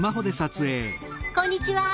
こんにちは！